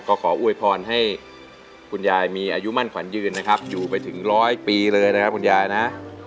ก็ขออวยพรให้คุณยายมีอายุมั่นขวัญยืนนะครับอยู่ไปถึงร้อยปีเลยนะครับคุณยายนะ